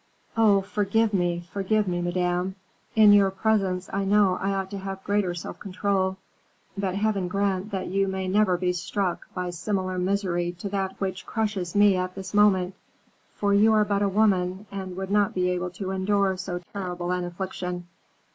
"Oh, forgive me, forgive me, Madame; in your presence I know I ought to have greater self control. But Heaven grant that you may never be struck by similar misery to that which crushes me at this moment, for you are but a woman, and would not be able to endure so terrible an affliction.